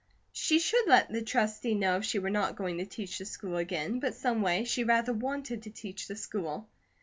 She should let the Trustee know if she were not going to teach the school again; but someway, she rather wanted to teach the school.